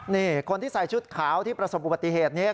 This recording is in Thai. นี่คนที่ใส่ชุดขาวที่ประสบอุบัติเหตุนี้